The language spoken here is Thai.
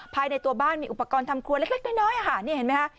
ภายในตัวบ้านมีอุปกรณ์ทำครัวเล็กน้อยค่ะนี่เห็นไหมคะ